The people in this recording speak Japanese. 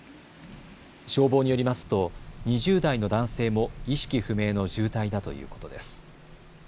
消防によりますと２０代の男性も意識不明の重体だということです。